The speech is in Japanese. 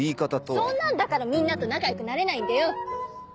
そんなんだからみんなと仲良くなれないんだよ！